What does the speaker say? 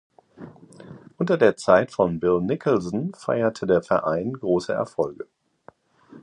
Unter der Zeit von Bill Nicholson feierte der Verein große Erfolge.